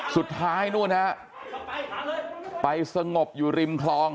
สุดท้ายนู่นฮะไปสงบอยู่ริมคลอง